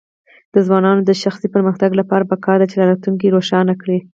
د ځوانانو د شخصي پرمختګ لپاره پکار ده چې راتلونکی روښانه کړي.